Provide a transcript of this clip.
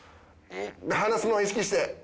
離すのを意識して。